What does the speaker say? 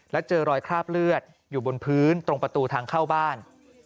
แล้วเจอรอยคราบเลือดอยู่บนพื้นตรงประตูทางเข้าบ้าน